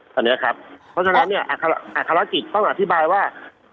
เพราะฉะนั้นเนี่ยอัครจิตต้องอธิบายว่า